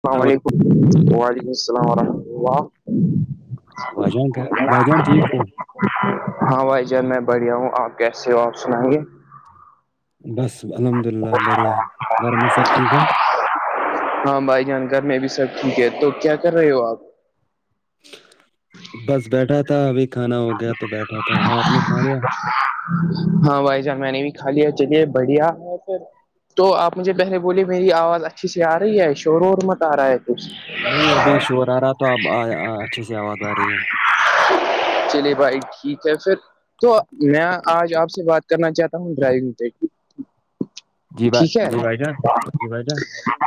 السلام ہاں علیکم وعلیکم السلام ورحمۃ اللہ بھائی جان کیا بھائی جان ٹھیک ہو ہاں بھائی جان میں بڑھیا ہوں آپ کیسے ہو آپ سنائیں گے بس الحمد اللہ بڑھیا گھر میں سب ٹھیک ہے ہاں بھائی جان گھر میں بھی سب ٹھیک ہے تو کیا کر رہے ہو آپ بس بیٹھا تھا ابھی کھانا ہو گیا تو بیٹھا تھا آپ نے کھا لیا ہاں بھائی جان میں نے بھی کھا لیا چلیے بڑھیا ہے پھر تو آپ مجھے پہلے بولے میری آواز اچھی سے آ رہی ہے شور و اور مت آ رہا ہے کچھ نہیں ابھی شور آ رہا تو اب اچھے سے آواز آ رہی ہے چلے بھائی ٹھیک ہے پھر تو میں آج آپ سے بات کرنا چاہتا ہوں ڈرائیونگ پہ جی با ٹھیک ہے جی بھائی جان جی بھائی جان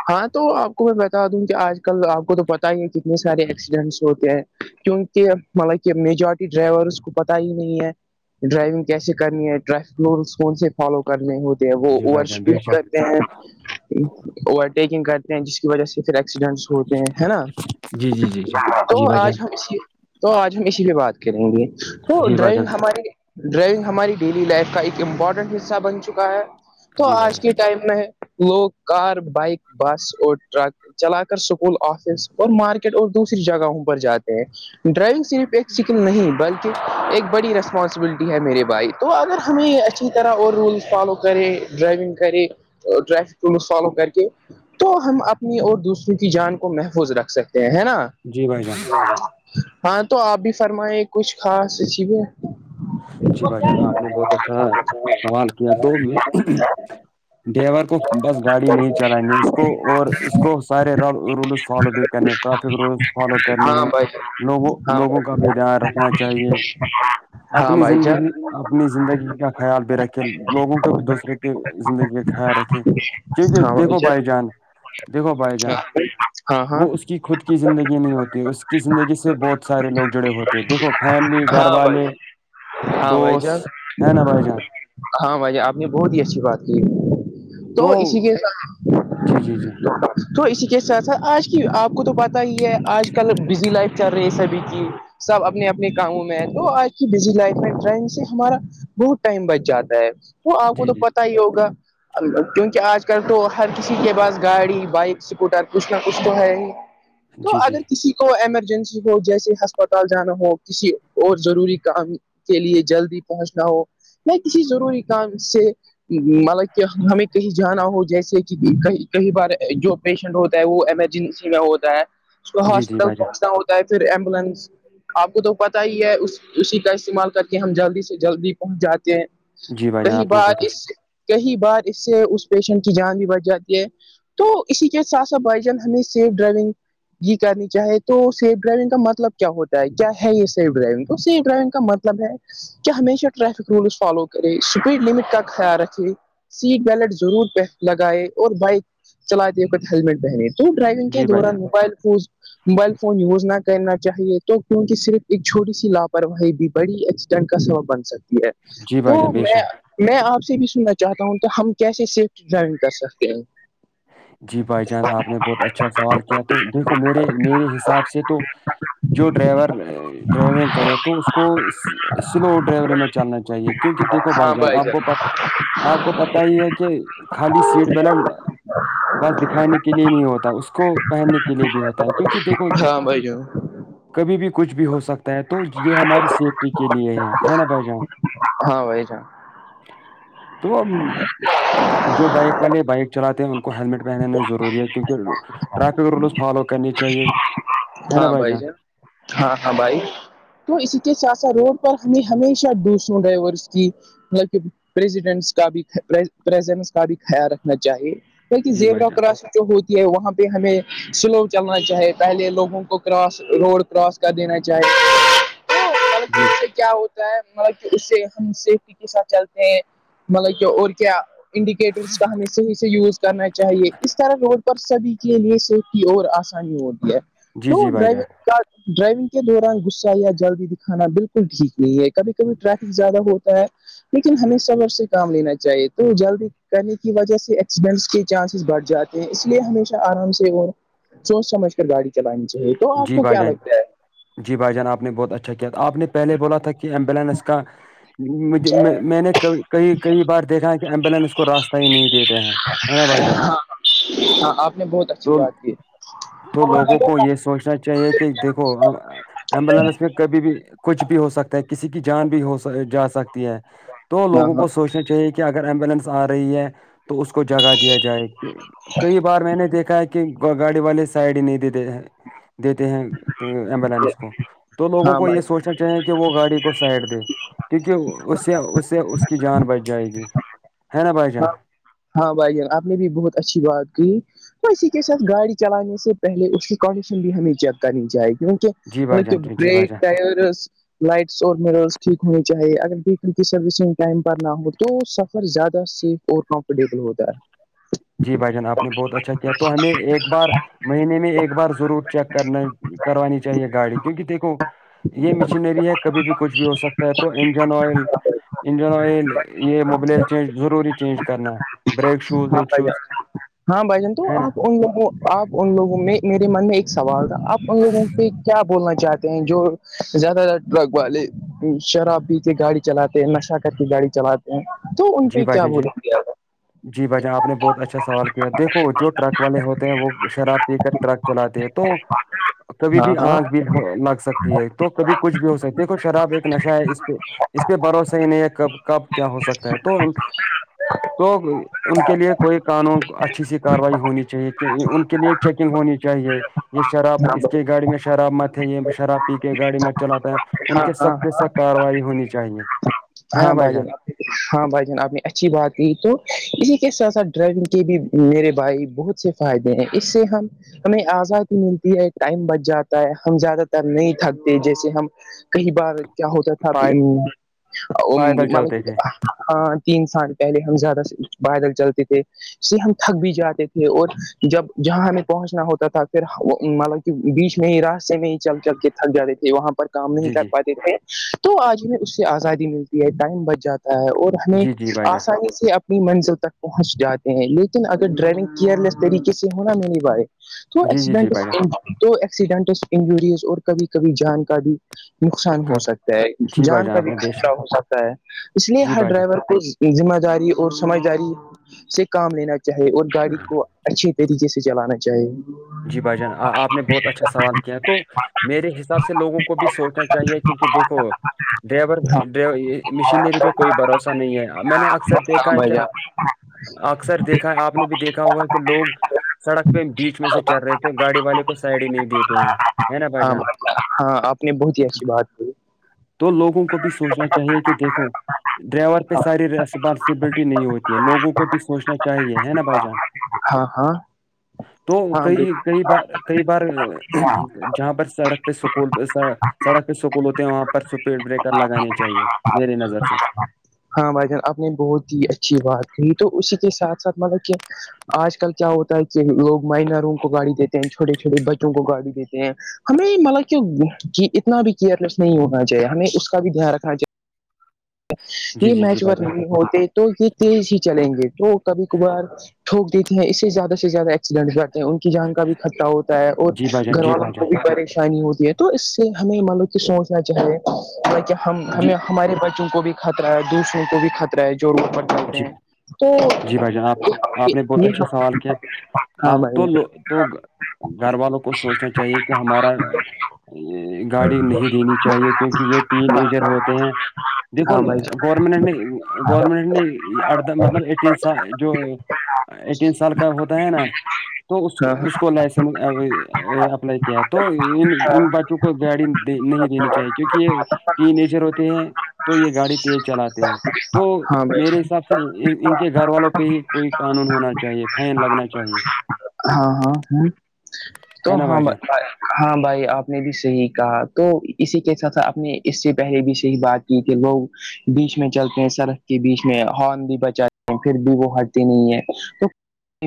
ہاں تو آپ میں بتا دوں کہ آج کل آپ کو تو پتا ہی ہے کتنے سارے ایکسیڈنٹس ہوتے ہیں کیوں کہ مطلب کہ میجورٹی ڈرائیورس کو پتا ہی نہیں ہے ڈرائیونگ کیسے کرنی ہے ٹریفک رولس کون سے فالو کرنے ہوتے وہ جی بھائی اوور جان بے اسپیڈ شک کرتے ہیں اوورٹیکنگ کرتے جس کی وجہ سے پھر ایکسیڈینٹس ہوتے ہیں نا جی جی جی جی تو جی بھائی آج جان ہم تو آج ہم اسی پہ بات کریں گے تو جی بھائی ڈراوئنگ جان ہماری ڈرائیونگ ہماری ڈیلی لائف کا ایک امپورٹنٹ حصہ بن چکا ہے تو جی بھائی آج جان کے ٹائم ہے لوگ کار بائک بس اور ٹرک چلا کر اسکول آفس اور مارکیٹ اور دوسری جگہوں پر جاتے ہیں ڈرائیونگ صرف ایک شکل نہیں بلکہ ایک بڑی رسم پانسبلٹی ہے میرے بائی تو اگر ہمیں اچھی طرح اور رولس فالو کرے ڈرائیونگ کرے ٹریفک رولس فالو کر کے تو ہم اپنی اور دوسروں کی جان کو محفوظ رکھ سکتے ہیں ہے نا جی بھائی جان ہاں تو آپ بھی فرمائے کچھ خاص چی بھی ہے جی بھائی جان آپ نے بہت اچھا سوال کیا تو ڈائیور کو بس گاڑی نہیں چلانی اس کو اور اس کو سارے ر رولز فالو بھی کرنے ٹریفک رولس فالو کرنے ہاں ہیں بھائی لوگوں ہاں لوگوں کا بھائی بھی دھیان رکھنا چاہیے ہاں اپنی بھائی جان زندگی اپنی زندگی کا خیال بی رکھی لوگوں کو بھی دوسرے کے زندگی کا خیال رکھے چیکہ دیکھو بھائی جان دیکھو بھائی جان ہاں ہاں وہ اس کی خود کی زندگی نہیں ہوتی اس کی زندگی سے بہت سارے لوگ جڑے ہوتے دیکھو فیملی ہاں گھر والے بھائی ہاں بھائی دوست جان ہے نا بھائی جان ہاں آپ نے بہت ہی اچھی بات کی تو اسی کے جی جی جی تو اسی کے ساتھ س آج کی آپ کو تو پتا ہی ہے آج کل بزی لائف چل رہی ہے سبھی کی سب اپنے اپنے کاموں میں ہے تو آج کی بزی لائف میں ڈرائنگ سے ہمارا بہت ٹائم بچ جاتا ہے وہ آپ کو جی تو جی پتا ہی ہوگا کیونکہ آج کل تو ہر کسی کے پاس گاڑی بائک اسکوٹر کچھ نہ کچھ تو ہے ہی تو جی جی اگر کسی بھی کو ایمرجنسی ہو جیسے ہسپتال جانا ہو کسی اور ضروری کام کے لیے جلدی پہنچنا ہو کسی ضروری کم سے مطلب کہ ہمیں کہیں جانا ہو جیسے کئی بار جو پیشنٹ ہوتا ہے وہ ایمرجنسی میں ہوتا ہے اس جی جی ہاسپٹل بھائی جان پہنچنا ہوتا ہے پھر ایمبولینس آپ کو تو پتا ہی ہے اس اسی کا استعمال کر کے ہم جلدی سے جلدی پہنچ جاتے ہیں جی بھائی جان کئی آپ نے بار بہت اس اچھا کئی بار اس سے اس پیشنٹ کی جان بھی بڑھ جاتی ہے تو اسی کے ساتھ ساتھ بھائی جان ہمیں سیف ڈرائیونگ یہ کرنی چاہے تو سیف ڈرائیونگ کا مطلب کیا ہوتا ہے کیا ہے یہ سیف ڈرائیونگ تو سیف ڈرائیونگ کا مطلب مطلب ہے کیا ہمیشہ ٹریفک رولس فالو کرے اسپیڈ لمٹ کا خیال رکھے سیٹ بیلٹ ضرورہ لگائے اور بائک چلاتے وقت ہیللمٹ پہنے تو ڈرائیونگ کے جی بھائی جان دوران mobile phone mobile phone use نہ کرنا چاہیے تو کیونکہ صرف ایک چھوٹی سی لاپرواہی بھی بڑی ا جنگ کا سوب بن سکتی ہے جی تو بھائی جان بے میں شک میں آپ سے بھی سننا چاہتا ہوں کہ ہم کیسے سیفٹ ڈرائیونگ کر سکتے ہیں جی بھائی جان آپ نے بہت اچھا سوال کیا تو دیکھو میرے میرے حساب سے تو جو ڈرائیور ڈرائیونگ کرے تو اس کو سلو ڈرائیوری میں چلنا چاہیے کیونکہ دیکھو بھائی جان آپ کو پ آپ کو پت ہی ہے کہ خالی سیٹ بلٹ بس دکھانے کے لیے نہیں ہوتا اس کو پہننے کے لیے بھی ہوتا ہے کیونکہ دیکھو ہاں بھائی جو کبھی بھی کچھ بھی ہو سکتا ہے تو یہ ہماری سیفٹی کے لیے ہے نا بائی جان ہاں بائی جان تو جو بائک والے بائک چلاتے ہیں ان کو ہیلمٹ پہنا ضروری ہے کیونکہ ٹریفک رولس فالو کرنی چاہیے ہاں بھائی جان ہاں اب ائی تو اسی کے سات سات روڈ پر ہمیں ہمیشہ ڈوسوں ڈرائیورس کی مطلب کہ پریزیڈنٹس کا بھی پریزنس کا بھی خیال رکھنا چاہیے کیکہ جی بھائی زیورا جان کراش جو ہوتی ہے وہاں پہ ہمیں سلو چلنا چاہے پہلے لوگ کواس روڈ کراس کر دینا چاہی جی کیا ہوتا مطلب کہ اس سے ہم سیفٹی کے ساتھ چلتے ہیں مطلب کہ اور کیا انڈیکیٹرس کا ہم صیح سے یوز کرنا چاہیے اس طرح روڈ پر سبھی کے لیے صیف کی اور آسانی ہوتی ہے جی تو جی بھائی ڈرائیونگ جان کا ڈرائیونگ کے دوران غصہ یا جلدی دکھانا بالکل ٹھیک نہیں ہے کبھی کبھی ٹریفک زیادہ ہوتا ہے لیکن ہمی صبر سے کام لینا چاہیے تو جلدی کرنے کی وجہ سے ایکسیڈنٹس کے چانسز بڑھ جاتے اس لیے ہمیشہ آرام سے اور سوچ سمجھ کر گاڑی چلانی چاہیے تو آپ جی کو بھائی کیا جان لگتا ہے جی بھائی جان آپ نے بہت اچھا کیا تھا آپ نے میں بولا تھا کہ ایمبولینس کا مجھ میں نے کبھی کئی کئی بار دیکھا ہے کہ ایمبولینس کو راستہ ہی نہیں دیتے ہیں ہے نا بھائی جان ہاں ہاں آپ نے بہت اچھی تو بات کی نا چاہیے کہ دیکھو ایمبولینس میں کبھی بھی کچھ بھی ہو سکتا ہے کسی کی جان بھی ہو جا سکتی ہے تو ہاں لوگوں ہاں کو سوچنا چاہیے کہ اگر ایمبولینس آ رہی ہے تو اس کو جگا دیا جائے کئی بار میں نے دیکھا ہے کہ گاڑی والے سائڈ ہی نہیں دیتے ہیں دیتے ہیں ایمبولینس کو تو لوگوں ہاں کو بھائی یہ سوچنا چاہیں کہ وہ گاڑی کو سائڈ دے کیونکہ اس سے اس سے اس کی جان بچ جائے گی ہے نا بھائی جان ہاں ہاں بھائی جان آپ نے بھی بہت اچھی بات کی تو اسی کے ساتھ گاڑی چلانے سے پہلے اس کی کنڈیشن بھی ہمیں چیک کرنی چاہیے کیوں جی بھائی کہ جان جی بھائی بریک جان ٹائرز لائٹس اور مرس ٹھیک ہونی چاہیے اگر ویکل کی سروسنگ ٹائم پر نہ ہو تو سفر زیادہ ف اورل [unintelligible] ہوتا ہے جی بھائی جان آپ نے بہت اچھا کیا تو ہمیں ایک بار مہینے میں ایک بار ضرور چیک کرنا کروانی چاہیے گاڑی کیونکہ دیکھو یہ مشینری ہے کبھی بھی کچھ بھی ہو سکتا ہے تو انجن آئل انجین اوئل یہ مبلیل چینج ضروری چینج کرنا بریک شوز بھائ شوز جان ہاں بھائی جان تو ہے نا آپ ان لوگوں آپ ان لوگوں میں میرے من میں ایک سوال تھا آپ ان لوگوں پہ کیا بولنا چاہتے ہیں جو زیادہ تر ٹرک والے شراب پیتے گاڑی چلاتے نشہ کر کے گاڑی چلاتے تو ان جی پہ بھائی کیا جان جی بولیں گے جی بھائی جان آپ نے بہت اچھا سوال کیا دیکھو جو ٹرک والے ہوتے ہیں وہ شراب پی کر ٹرک چلاتے ہے تو کبھی ہاں بھی ہاں آنکھ بھی ہو لگ سکتا ہے تو کبھی کچھ بھی ہو سکتی ہے دیکھو شراب ایک نشہ ہے اس پہ اس پہ بھروسہ ہی نہیں ہے کب کب کیا ہو سکتا ہے تو تو ان کے لیے کوئی قانون اچھی سی کاروائی ہونی چاہیے کہ ان کے لیے چیکنگ ہونی چاہیے یہ شراب اس کے گاڑی میں شراب مت ہے یہ شراب پی کے گاڑی مت چلاتے ان ہاں کے ہاں سخت سخت کاروائی ہونی چاہیے ہاں بھائی جان ہاں بھائی جان آپ نے اچھی بات کی تو اسی کے ساتھ ساتھ ڈرائیونگ کے بھی میرے بھائی بہت سے فائدے ہیں اس سے ہم ہمیں آزادی ملتی ہے ٹائم بچ جاتا ہے ہم زیادہ تر نہیں تھکتے جیسے ہم کئی بار کیا ہوتا تھا پائے پیدل چلتے مطلب تھے ہاں تین سال پہلے ہم زیادہ بل چلتے تھے سے ہم تھک بھی جاتے تھے اور جب جہاں ہمیں پہنچنا ہوتا تھا پھر مطلب بیچ میں ہی راستے میں ہی چل چل کے تھک جاتے تھے وہاں پر کام نہیں جی کر جی پاتے تھے تو آج ہمیں اس سے آزادی ملتی ہے ٹائم بچ جاتا ہے اور ہمیں جی جی بھائی جان آسانی سے اپنی منزل تک پہنچ جاتی ہیں لیکن اگر ڈرائیونگ کیئر لیس طریقے سے ہونا میرے بھائی تو جی جی جی ایکسیڈنٹ بھائی جان تو ایکسیڈنٹس انجوریز اور کبھی کبھی جان کا بھی نقصان ہو خط سکتا ہے جی بھائی جان کا آپ بھی نے بے شک خطرہ ہو سکتا ہے اس لیے جی ہر بھائی جان ڈرائیور کو ایک ذمہ داری اور سمجھداری سے کام لینا چاہے اور گاڑی کو اچھے طریقے سے چلانا چاہیے جی بھائی جان آپ نے بہت اچھا سوال کیا ہے تو میرے حساب سے لوگوں کو بھی سوچنا چاہیے کیونکہ دیکھو ڈرائیور ڈرائیور یہ مشینری پہ کوئی بھروسہ نہیں ہے میں نے اکثر ہاں دیکھا ہے بھائی کیا جان اکثر دیکھا ہے آپ نے بھی دیکھا ہوا کہ لوگ سڑک پہ بیچ میں سے چل رہے تھے گاڑی والے کو سائڈ ہی نہیں دیتے ہیں ہے نا بھائی ہاں جان ہاں آپ نے بہت ہی اچھی بات ہو ہے تو لوگوں کو بھی سوچنا چاہیے کہ دیکھو ڈرائیور پہ ساری رسپانسبلٹی نہیں ہوتی ہے لوگوں کو بھی سوچنا چاہیے ہے نا بھائی جان ہا ہا تو کئی کئی بار کئی بار جہاں پر سڑک پہ سکول پہ سڑک کےہ سکول ہوتے ہیں وہاں پر سپیڈ بریکر لگانے چاہیے میری نظر سے ہاں بھائی جان آپ نے بہت ہی اچھی بات کہ تو اسی کے ساتھ ساتھ مطلب کہ آج کل کیا ہوتا ہے کہ لوگ مائنروں کو گاڑی دیتے ہیں چھوٹے چھوے بچوں کو گاڑی دیتے ہیں ہمیں مطلب کی اتنا بھی کیئرلیس نہیں ہونا چاہیے ہمیں اس کا بھی دھیان رکھ جی یہ جی جی میچ بھائی ور جان نہیں ہوتے تو یہ تیز ہی چلیں گے تو کبھی کبارٹھوک دیتی ہیں اس سے زیادہ سے زیادہ ایککسیڈنٹ ان کی جان کا بھی خطہ ہوتا ہے اور جی بھائی جان گھر جی والوں بھائی کو جان بھی پریشانی ہوتی ہے تو اس سے ہمیں مان لو کہ سوچنا چاہیے کہ ہم جی ہمیں ہمارے بچوں کو بھی خطرہ ہے دوسروں کو بھی خطرہ ہے جوڑو جی توہ جی بھائی جان آپ [unintelligible] ہاں تو لو تو گھر والوں کو سوچنا چاہیے کہ ہمارا گاڑی نہیں دینی چاہیے کیونکہ یہ ین ایجر ہوتے ہیں دیکھو ہاں بھائی گورنمنٹ نے گورنمنٹ نے ادا مطلب ایٹین سال جو ایٹین سال کا ہوتا ہے نا تو اس ہاں اس کو لائسنس اپلائی کیا ہے تو ان ان بچوں کو گاڑی نہیں دینی چاہیے کیونکہ یہ جر ہوتے ہیں تو یہ گاڑی تیز چلاتے ہیں تو ہاں بھائی میرے حساب ان کے گھر والوں پہ ہی کوئی قانون ہونا چاہیے فائن لگنا چاہیے ہاں ہاں ہ تو ہے نا بھائی ہم جان ہاں بھائی آپ نے بھی صحیح کہا تو اسی کے ساتھ آپ نے اس سے پہلے بھی صحیح بات کی تھی لوگ بیچ میں چلتے ہیں سڑک کے بیچ میں ہارن بھی بچاتے ہیں پھر بھی وہ ہٹتے نہیں ہے تو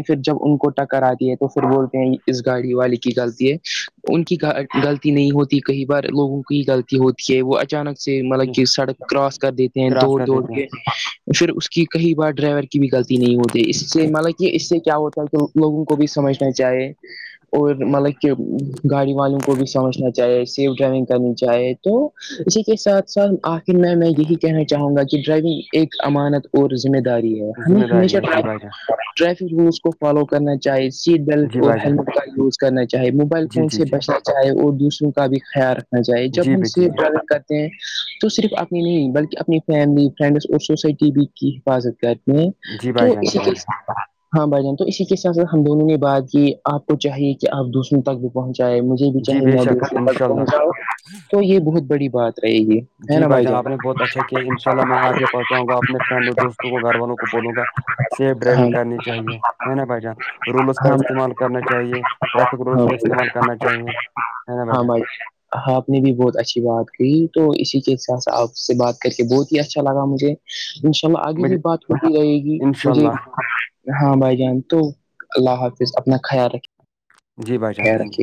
پھر جب ان کو ٹکر آتی ہے تو پھر بولتے ہیں اس گاڑی والے کی غلطی ہے ان کی غلطی نہیں ہوتی کئی بار لوگوں کی ہی غلطی ہوتی کہ وہ اچانک سے مطلب کی کہ سڑک کراس کر دیتے ہیں کراس دوڑ کر دوڑ دیتے کے پھر اس کی کئی بار ڈرائیور کی بھی غلطی نہیں ہوتی اس سے مطلب کہ یہ اس سے کیا ہوتا ہے کہ لوگوں کو بھی سمجھنا چاہے اور مطلب کہ گاڑی والوں کو بھی سمجھنا چاہیے سیف ڈرائیونگ کرنی چاہے تو اسی کے ساتھ ساتھ آخر میں میں یہی کہنا چاہوں گا کہ ڈرائیونگ ایک امانت اور ذمہ داری ہے ہیں ہمیں ذمہ داری ہمیشہ ہے جی ٹ بھائی جان ٹریفک رولس کو فالو کرنا چاہے سیٹ بیلٹ جی اور بھائی جان ہیلمٹ کا یوز کرنا چاہے موبائل جی فون جی سے جی بچنا چائے اور دوسروں کا بھی خیال رکھنا چاہیے جب جی ہم بھ جی سیف جی ڈرائیونگ کرتے ہیں تو صرف اپنی نہیں بلکہ اپنی فیملی فرینڈس اور سوسائٹی بھی کی حفاظت کر میں جی بھائی تو جان اسی جی کے بھائی جان ہاں بھائی جان تو اسی کے ساتھ ساتھ ہم دونوں نے بات کی آپ کو چاہیے کہ آپ دوسروں تک بھی پہنچائے مجھے بھی جی چاہے بے ماڈل شک انشاء پہنچ اللہ جاؤ تو یہ بہت بڑی بات رہے گی جی بھائی جان آپ نے بہت اچھا کیا ان شاء ال میں آ کے پہنچاؤ گا اپ فرینڈ اور دوستوں کو گھر والوں کو بولوں گا سیف ہاں ڈرائیونگ کرنی چاہیے ہے نا بھائی جان رولز کا ہاں استعمال کرنا چاہیے ٹریفک رولز ہاں کا استعمال کرنا چاہیے ہے نا بھائی جان آپ نے بھی بہت اچھی بات کہ تو اسی کےساتھ آپ سے بات کر کے بہت ہی اچھا لگا مجھے ان شاءلہ آگے مجھے بھی بات ہوتی رہے گی ان شاء مجھے اللہ ہاں بھائی جان تو اللہ حافظ اپنا خیال رکھے جی بھائی جان تھنک یو